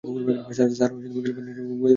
Sir, Koliyappan সাহেব গোয়েন্দা বিভাগে নতুন।